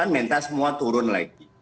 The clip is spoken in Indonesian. sembilan puluh delapan minta semua turun lagi